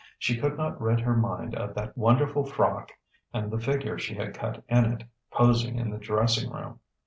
She could not rid her mind of that wonderful frock and the figure she had cut in it, posing in the dressing room.